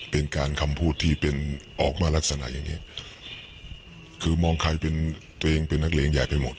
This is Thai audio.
เป็นการคำพูดที่เป็นออกมาลักษณะอย่างเนี้ยคือมองใครเป็นตัวเองเป็นนักเลงใหญ่ไปหมด